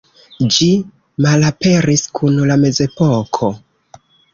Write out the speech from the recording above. Ĝi malaperis kun la mezepoko.